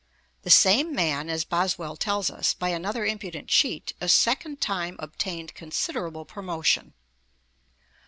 The same man, as Boswell tells us (ante, i. 359), by another impudent cheat, a second time obtained 'considerable promotion.'